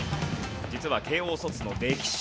実は慶応卒の歴史通。